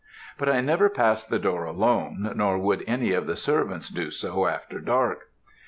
But I never passed the door alone, nor would any of the servants do so after dark.